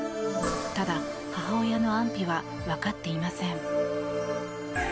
ただ、母親の安否は分かっていません。